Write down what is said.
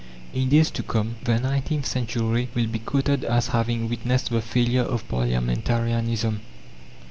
In days to come the nineteenth century will be quoted as having witnessed the failure of parliamentarianism.